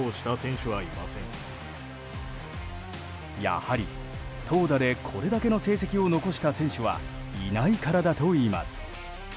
やはり、投打でこれだけの成績を残した選手はいないからだといいます。